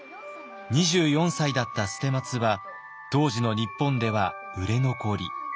２４歳だった捨松は当時の日本では売れ残り。